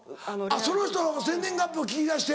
その人の生年月日を聞き出して。